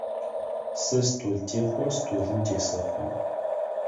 Сэ столтехъор столым тесэхъо.